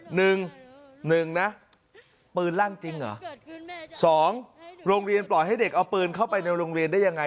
หนึ่งหนึ่งนะปืนลั่นจริงเหรอสองโรงเรียนปล่อยให้เด็กเอาปืนเข้าไปในโรงเรียนได้ยังไง